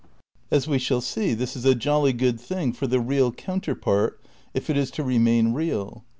As we shall see, this is a jolly good thing for the real counterpart if it is to remain real.